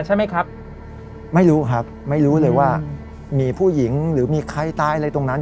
ใช่ไหมครับไม่รู้ครับไม่รู้เลยว่ามีผู้หญิงหรือมีใครตายอะไรตรงนั้น